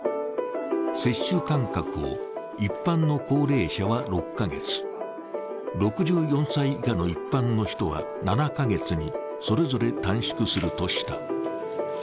接種間隔を一般の高齢者は６カ月、６４歳以下の一般の人は７カ月に、それぞれ短縮するとした。